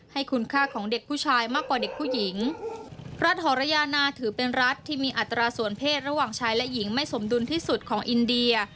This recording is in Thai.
ให้คุณค่าของเด็กผู้ชายมากกว่าเด็กผู้หญิงรัฐหรยานาถือเป็นรัฐที่มีอัตราส่วนเพศระหว่างชายและหญิงไม่สมดุลที่สุดของอินเดีย